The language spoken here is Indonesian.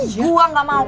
gue gak mau